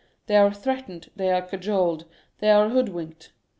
They are threatened, they are cajoled, they are hoodwinked.